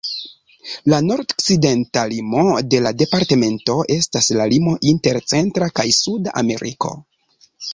La nordokcidenta limo de la departamento estas la limo inter Centra kaj Suda Ameriko.